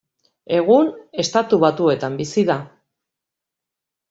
Egun Estatu Batuetan bizi da.